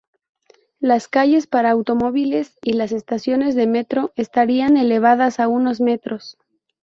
Las calles para automóviles y las estaciones de metro estarían elevadas a unos metros.